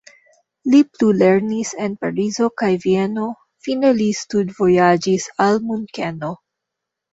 Li plulernis en Parizo kaj Vieno, fine li studvojaĝis al Munkeno.